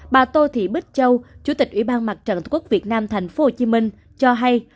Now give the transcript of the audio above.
bà tô thị bích châu chủ tịch ủy ban mặt trận tổ quốc việt nam thành phố hồ chí minh cho hay